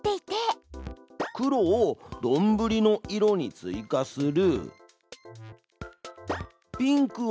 「ピンクをどんぶりの色に追加する」。